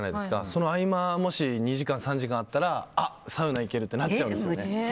その合間もし２時間３時間あったらサウナ行けるってなっちゃうんです。